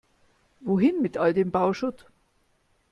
Wohin mit all dem Bauschutt?